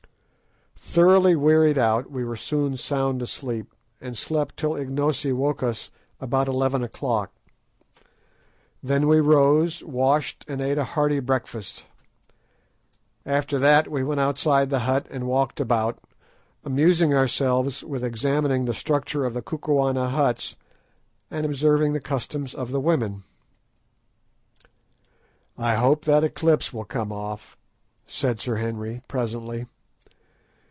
Thoroughly wearied out, we were soon sound asleep, and slept till Ignosi woke us about eleven o'clock. Then we rose, washed, and ate a hearty breakfast. After that we went outside the hut and walked about, amusing ourselves with examining the structure of the Kukuana huts and observing the customs of the women. "I hope that eclipse will come off," said Sir Henry presently.